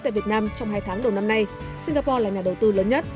tại việt nam trong hai tháng đầu năm nay singapore là nhà đầu tư lớn nhất